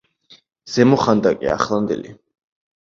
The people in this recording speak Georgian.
ზემო ხანდაკი, ახლანდ.